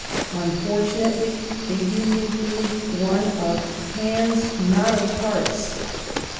Unfortunately the union proved one of hands, not of hearts.